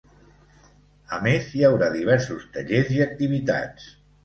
A més, hi haurà diversos tallers i activitats.